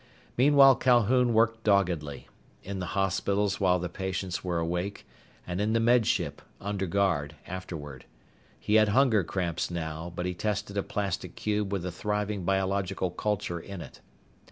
Meanwhile Calhoun worked doggedly; in the hospitals while the patients were awake and in the Med Ship, under guard, afterward. He had hunger cramps now, but he tested a plastic cube with a thriving biological culture in it.